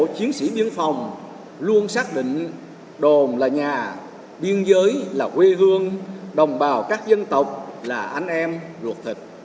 chiến sĩ biên phòng luôn xác định đồn là nhà biên giới là quê hương đồng bào các dân tộc là anh em ruột thịt